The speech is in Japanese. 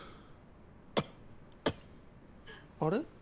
あれ？